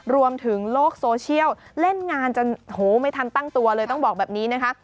ในโลกโซเชียลเล่นงานจนโหไม่ทันตั้งตัวเลยต้องบอกแบบนี้นะคะ